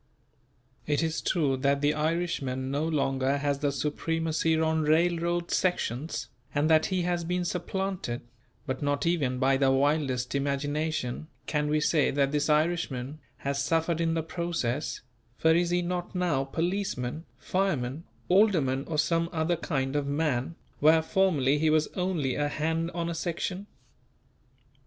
It is true that the Irishman no longer has the supremacy on railroad sections, and that he has been supplanted; but not even by the wildest imagination can we say that this Irishman has suffered in the process; for is he not now policeman, fireman, alderman or some other kind of man where formerly he was only a hand on a section?